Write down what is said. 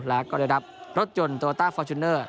และก็ได้รับรถยนต์โตโลต้าฟอร์จูเนอร์